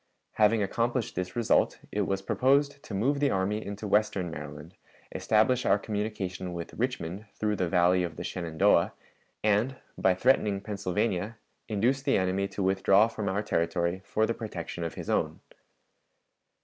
Having accomplished this result, it was proposed to move the army into western Maryland, establish our communication with Richmond through the Valley of the Shenandoah, and, by threatening Pennsylvania, induce the enemy to withdraw from our territory for the protection of his own.